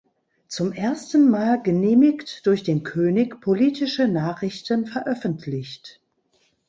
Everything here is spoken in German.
Zum ersten Mal, genehmigt durch den König, politische Nachrichten veröffentlicht.